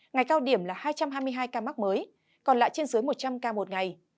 ngày cao điểm là hai trăm hai mươi hai ca mắc mới còn lại trên dưới một trăm linh ca một ngày